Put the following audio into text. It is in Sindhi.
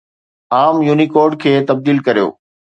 عام يونيڪوڊ کي تبديل ڪريو